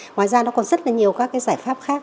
ngoài ra nó còn rất là nhiều các cái giải pháp khác